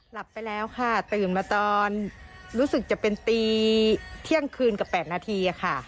หลับไปแล้วค่ะตื่นมาตอนรู้สึกจะเป็นตีเที่ยงคืนกับ๘นาทีค่ะ